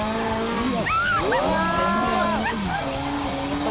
うわ！